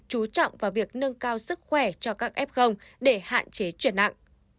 chú trọng vào việc nâng cao sức khỏe cho các f để hạn chế chuyển nặng